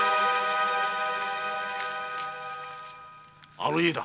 あの家だ。